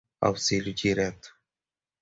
auxílio direto